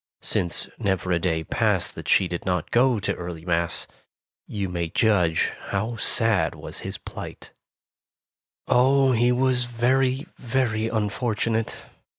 Since never a day passed that she did not go to early Mass, you may judge how sad was his plight. 49 50 Tales of Modern Germany Oh, he was very, very unfortunate!